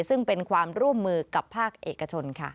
ซึ่งเป็นความร่วมมือกับภาคเอกชนค่ะ